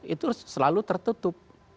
itu selalu tertutup